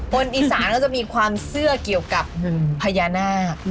อีสานก็จะมีความเชื่อเกี่ยวกับพญานาค